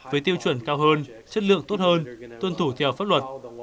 với tiêu chuẩn cao hơn chất lượng tốt hơn tuân thủ theo pháp luật